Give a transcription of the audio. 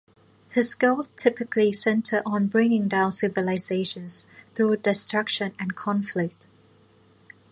His goals typically center on bringing down civilizations through destruction and conflict.